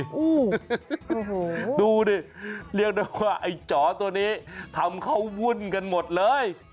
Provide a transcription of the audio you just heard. โอ้โหดูดิเรียกได้ว่าไอ้จ๋อตัวนี้ทำเขาวุ่นกันหมดเลย